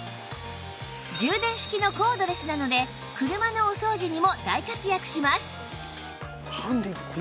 充電式のコードレスなので車のお掃除にも大活躍します